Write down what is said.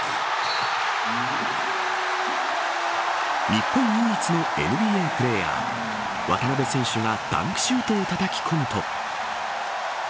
日本唯一のＮＢＡプレーヤー渡邊選手がダンクシュートをたたき込むと。